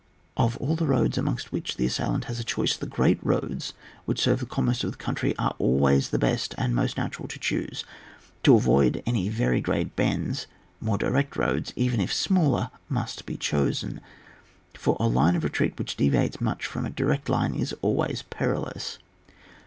Of all the roads amongst which the assailant has a choice, the great roads which serve the commerce of the country are always the best and the most natural to choose. To avoid any very great bends, more direct roads, even if smaller, must be chosen, for a line of retreat which deviates much from a direct line is always perilous.